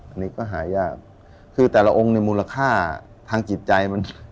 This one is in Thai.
อันนี้ก็หายากคือแต่ละองค์เนี่ยมูลค่าทางจิตใจมัน